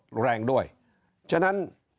ตัวเลขการแพร่กระจายในต่างจังหวัดมีอัตราที่สูงขึ้น